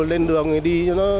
lên đường đi